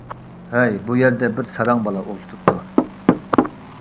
-ھەي بۇ يەردە بىر ساراڭ بالا ئولتۇرىدۇ.